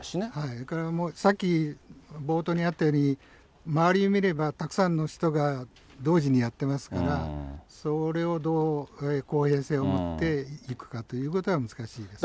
それからさっき冒頭にあったように、周りを見れば、たくさんの人が同時にやってますから、それをどう公平性をもっていくかということは難しいですね。